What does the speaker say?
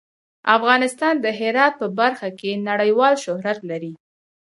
افغانستان د هرات په برخه کې نړیوال شهرت لري.